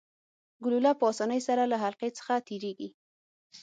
ګلوله په اسانۍ سره له حلقې څخه تیریږي.